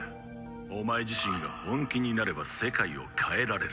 お前自身が本気になれば世界を変えられる。